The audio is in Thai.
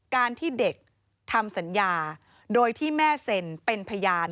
การที่เด็กทำสัญญาโดยที่แม่เซ็นเป็นพยาน